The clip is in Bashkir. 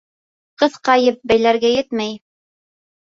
Ҡыҫҡа еп бәйләргә етмәй.